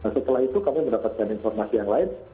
setelah itu kami mendapatkan informasi yang lain